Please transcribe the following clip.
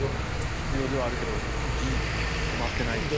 必要ではあるけど事実、止まってないですね。